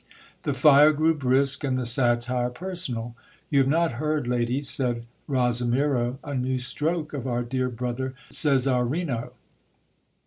The fire grew brisk and the satire personal. You have not heard, ladies, said Ro simiro, a new stroke of our dear brother Cesarino.